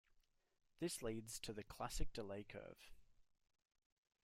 This leads to the classic delay curve.